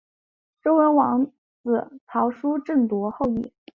周文王子曹叔振铎后裔。